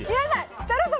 設楽さん